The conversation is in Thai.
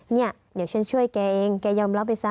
เนี่ยเดี๋ยวฉันช่วยแกเองแกยอมรับไปซะ